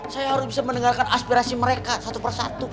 saya harus bisa mendengarkan aspirasi mereka satu persatu